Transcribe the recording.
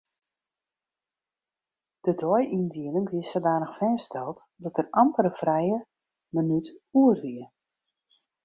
De deiyndieling wie sadanich fêststeld dat der amper in frije minút oer wie.